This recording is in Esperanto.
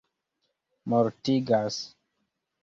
mortigas